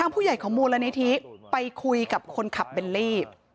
ไปคุยกับคนขับเบลลี่